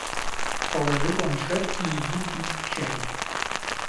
Положи планшет и иди пить чай